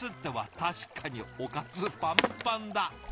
確かにおかずパンパンだ。